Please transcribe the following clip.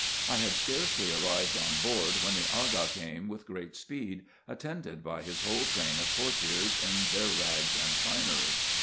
I had scarcely arrived on board, when the Aga came with great speed, attended by his whole train of courtiers, in their rags and finery.